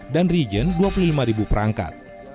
dan region dua puluh lima perangkat